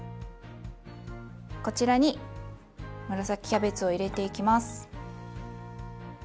こちらに紫キャベツを入れていきます。